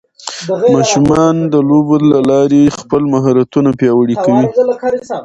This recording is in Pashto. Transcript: ماشومان د لوبو له لارې خپل مهارتونه پیاوړي کوي.